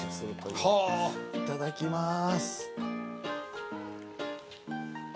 ◆いただきまーす。